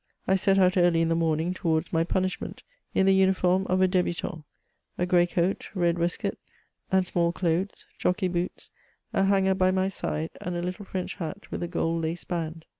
I set out early in the morning towards my punishment, in the uniform of a debutant — ^a grey coat, red waistcoat and small clothes, jockey boots, a hanger by my side, and a little French hat with a gold lace band.